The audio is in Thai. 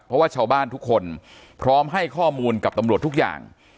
เพราะว่าชาวบ้านทุกคนพร้อมให้ข้อมูลกับตำรวจทุกอย่าง